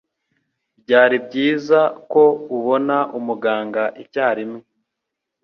Byari byiza ko ubona umuganga icyarimwe.